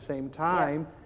korelasi dan penyebabkan